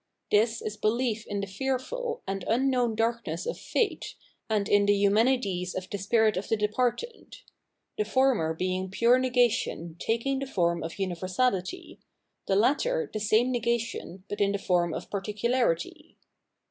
This is belief in the fearful and un known darkness of Fate, and in the Eumenides of the spirit of the departed: the former being pure negation taking the form of umversahty, the latter the same negation but in the form of particularity.